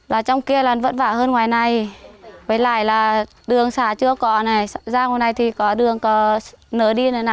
là trong kia là vận vả hơn ngoài này với lại là đường xả chưa có này ra ngoài này thì có đường có nở đi này nè